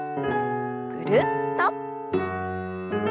ぐるっと。